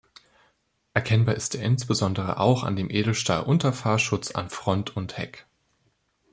Erkennbar ist er insbesondere auch an dem Edelstahl-Unterfahrschutz an Front und Heck.